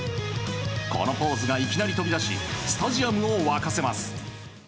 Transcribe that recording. このポーズがいきなり飛び出しスタジアムを沸かせます。